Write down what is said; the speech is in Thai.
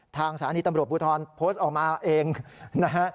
สถานีตำรวจภูทรโพสต์ออกมาเองนะฮะ